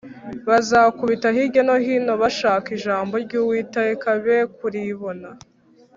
bazakubita hirya no hino bashaka ijambo ry’Uwiteka be kuribona.